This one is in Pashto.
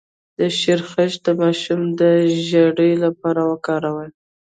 د شیرخشت د ماشوم د ژیړي لپاره وکاروئ